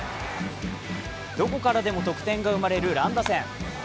どこからでも得点が生まれる乱打戦。